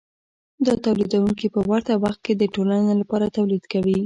دا تولیدونکي په ورته وخت کې د ټولنې لپاره تولید کوي